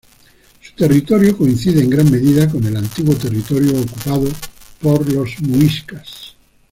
Su territorio coincide en gran medida con el antiguo territorio ocupado por los muiscas.